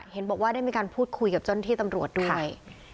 เห็นบอกว่าได้มีการพูดคุยกับเจ้าหน้าที่ตำรวจด้วย